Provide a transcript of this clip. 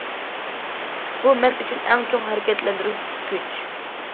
بۇ، مەن ئۈچۈن ئەڭ چوڭ ھەرىكەتلەندۈرگۈچ كۈچ.